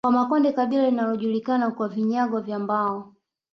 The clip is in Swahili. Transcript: Wamakonde kabila linalojulikana kwa vinyago vya mbao